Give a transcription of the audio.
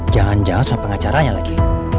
jangan jangan pengacaranya lagi